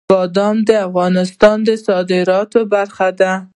بادام د افغانستان د صادراتو برخه ده.